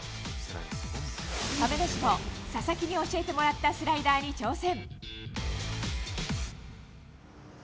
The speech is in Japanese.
亀梨も、佐々木に教えてもらったスライダーに挑戦。